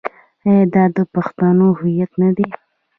آیا دا د پښتنو هویت نه دی؟